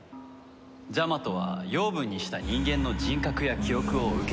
ジャマトは養分にした人間の人格や記憶を受け継ぐからね。